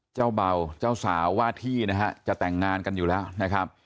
เจ้าเบาเจ้าสาวว่าที่นะฮะจะแต่งงานกันอยู่แล้วนะครับ